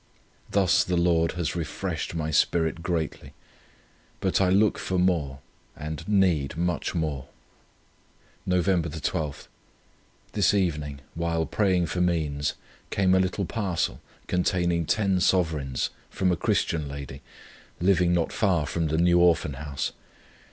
"Thus the Lord has refreshed my spirit greatly; but I look for more, and need much more. "Nov. 12. This evening, while praying for means, came a little parcel, containing ten sovereigns, from a Christian lady, living not far from the New Orphan House.